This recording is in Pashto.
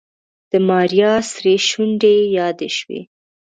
د ماريا سرې شونډې يې يادې شوې.